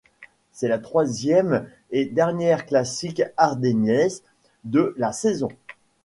C'est la troisième et dernière classique ardennaise de la saison.